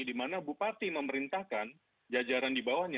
di mana bupati memerintahkan jajaran di bawahnya